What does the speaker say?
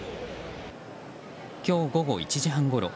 今日午後１時半ごろ